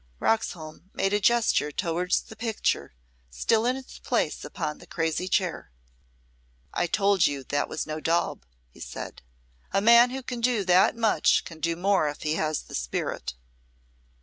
Roxholm made a gesture towards the picture, still in its place upon the crazy chair. "I told you that was no daub," he said. "A man who can do that much can do more if he has the spirit."